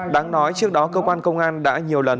đáng nói trước đó cơ quan công an đã nhiều lần